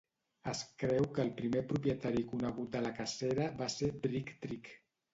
Es creu que el primer propietari conegut de la cacera va ser Brictric.